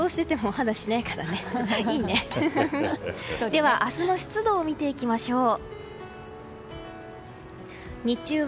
では、明日の湿度を見ましょう。